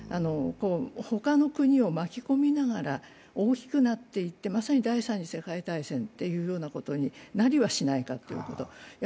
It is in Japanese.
他の国を巻き込みながら大きくなっていってまさに第３次世界大戦ということになりはしないかということ。